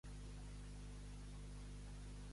Posa'm al calendari que he quedat amb la mama.